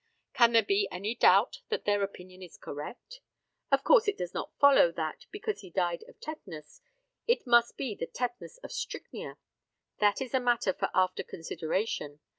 Can there be any doubt that their opinion is correct? Of course it does not follow that, because he died of tetanus, it must be the tetanus of strychnia. That is a matter for after consideration.